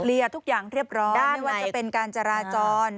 ทุกอย่างเรียบร้อยไม่ว่าจะเป็นการจราจร